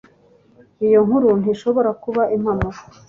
Iyo nkuru ntishobora kuba impamo